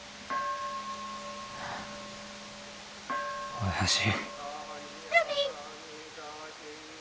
おやじ。